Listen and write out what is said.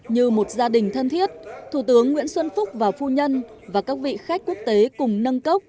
như một gia đình thân thiết thủ tướng nguyễn xuân phúc và phu nhân và các vị khách quốc tế cùng nâng cốc